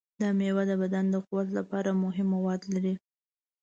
دا میوه د بدن د قوت لپاره مهم مواد لري.